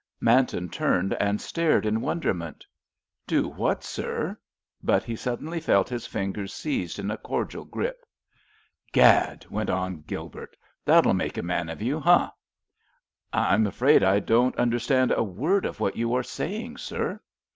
Manton turned and stared in wonderment. "Do what, sir?" But he suddenly felt his fingers seized in a cordial grip. "Gad," went on Gilbert, "that'll make a man of you—eh?" "I'm afraid I don't understand a word of what you are saying, sir!"